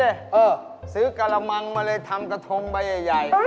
เออซื้อกระมังมาเลยทำกระทงใบใหญ่